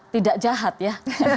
tidak jahat ya